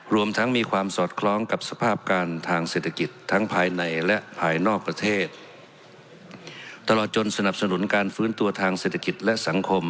รวมทั้งมีความสอดคล้องกับสภาพการทางเศรษฐกิจทั้งภายในและภายนอกประเทศตลอดจนสนับสนุนการฟื้นตัวทางเศรษฐกิจและสังคม